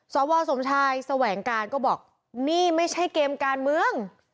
สวสมชายแสวงการก็บอกนี่ไม่ใช่เกมการเมือง